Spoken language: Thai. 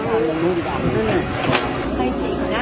พูดมาให้ดูเปล่า